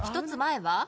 １つ前は？